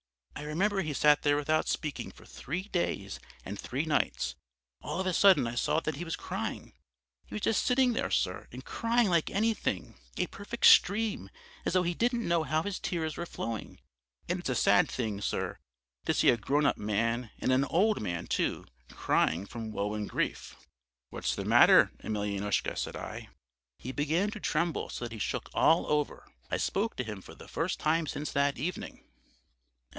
I remember he sat there without speaking for three days and three nights; all of a sudden I saw that he was crying. He was just sitting there, sir, and crying like anything; a perfect stream, as though he didn't know how his tears were flowing. And it's a sad thing, sir, to see a grown up man and an old man, too, crying from woe and grief. "'What's the matter, Emelyanoushka?' said I. "He began to tremble so that he shook all over. I spoke to him for the first time since that evening.